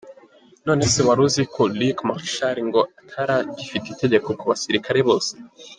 None se, wari uzi ko Luc Marchal ngo atari agifite itegeko ku basilikare bose ?